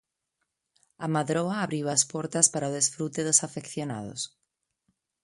A Madroa abriu as portas para o desfrute dos afeccionados.